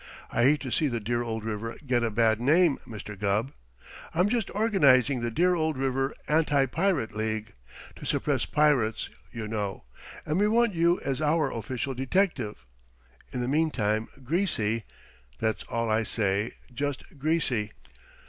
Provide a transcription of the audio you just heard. I hate to see the dear old river get a bad name, Mr. Gubb. I'm just organizing the Dear Old River Anti Pirate League to suppress pirates, you know. And we want you as our official detective. In the meantime Greasy! That's all I say just Greasy!